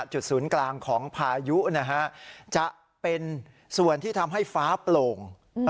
จุดศูนย์กลางของพายุนะฮะจะเป็นส่วนที่ทำให้ฟ้าโปร่ง